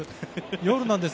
夜なんです。